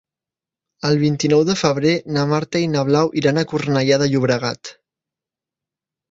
El vint-i-nou de febrer na Marta i na Blau iran a Cornellà de Llobregat.